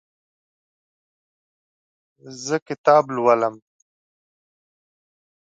زه کتاب لولم.